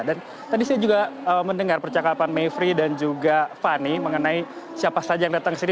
dan tadi saya juga mendengar percakapan mevri dan juga fani mengenai siapa saja yang datang ke sini